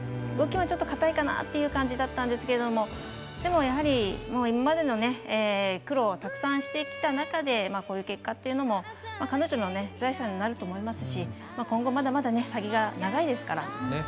動きも硬いかなという感じだったんですけどでも、やはり、今までの苦労をたくさんしてきた中でこういう結果っていうのも彼女の財産になると思いますし今後、まだまだ先が長いですから。